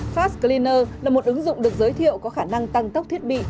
fast cleaner là một ứng dụng được giới thiệu có khả năng tăng tốc thiết bị